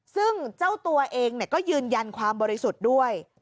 ซึ่งเจ้าตัวเองก็ยืนยันความบริสุทธิ์ด้วย